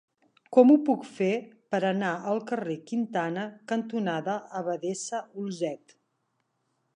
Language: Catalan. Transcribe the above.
Com ho puc fer per anar al carrer Quintana cantonada Abadessa Olzet?